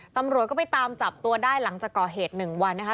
ตำรวจก็ไปตามจับตัวได้หลังจากก่อเหตุ๑วันนะคะ